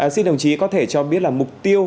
xin đồng chí có thể cho biết là mục tiêu